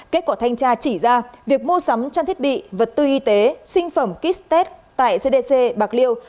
kết quả thanh tra chỉ ra việc mua sắm trang thiết bị vật tư y tế sinh phẩm kit test tại cdc bạc liêu